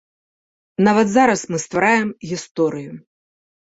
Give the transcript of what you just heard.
Нават зараз мы ствараем гісторыю.